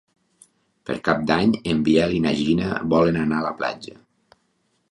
Per Cap d'Any en Biel i na Gina volen anar a la platja.